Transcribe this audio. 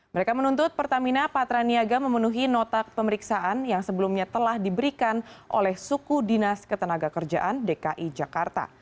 mereka menuntut pertamina patraniaga memenuhi nota pemeriksaan yang sebelumnya telah diberikan oleh suku dinas ketenaga kerjaan dki jakarta